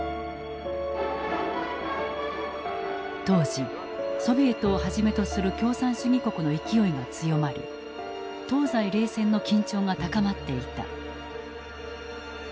当時ソビエトをはじめとする共産主義国の勢いが強まり東西冷戦の緊張が高まっていた。